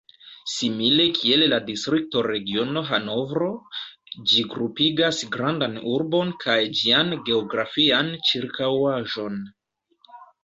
Simile kiel la Distrikto Regiono Hanovro, ĝi grupigas grandan urbon kaj ĝian geografian ĉirkaŭaĵon.